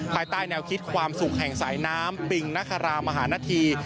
ภายใต้แนวคิดความสุขแห่งสายน้ำปิงนครามหานธี